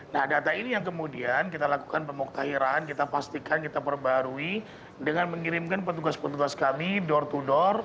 nah data ini yang kemudian kita lakukan pemuktahiran kita pastikan kita perbarui dengan mengirimkan petugas petugas kami door to door